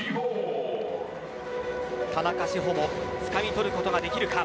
田中志歩もつかみ取ることができるか。